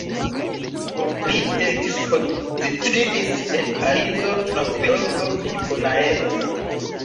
Li ekspoziciis en Parizo, Novjorko kaj Bonaero.